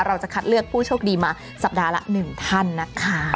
เราจะคัดเลือกผู้โชคดีมาสัปดาห์ละ๑ท่านนะคะ